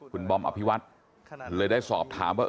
คุณบอมอภิวัฒน์เลยได้สอบถามว่า